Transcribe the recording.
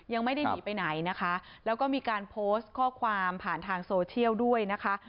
ยังไม่ได้หนีไปไหนนะคะแล้วก็มีการโพสต์ข้อความผ่านทางโซเชียลด้วยนะคะ